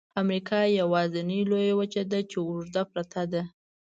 امریکا یوازني لویه وچه ده چې اوږده پرته ده.